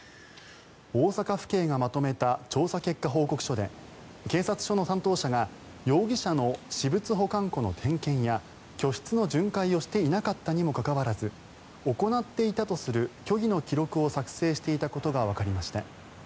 大阪府警がまとめた調査結果報告書で警察署の担当者が容疑者の私物保管庫の点検や居室の巡回をしていなかったにもかかわらず行っていたとする虚偽の記録を作成していたことがわかりました。